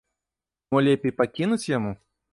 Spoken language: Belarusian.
Мо лепей пакінуць яму?